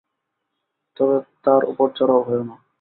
তবে তার উপর চড়াও হয়ো না।